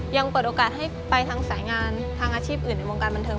ยังเปิดโอกาสให้ไปทางสายงานทางอาชีพอื่นในวงการบันเทิ